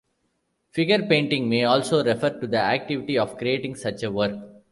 Figure painting may also refer to the activity of creating such a work.